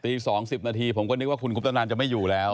ตีสองสิบนาทีผมก็นึกว่าคุณคุณทุนานจะไม่อยู่แล้ว